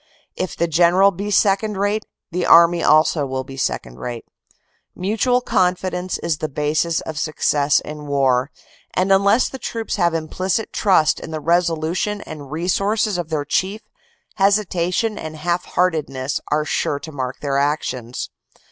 If the general be second rate the army also will be second rate. Mutual confidence is the basis of success in war, and unless the troops have implicit trust in the resolution and resources of their chief, hesitation and half heartedness are sure to mark their actions.